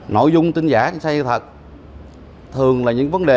nội dung tin giả tin sai sự thật thường là những vấn đề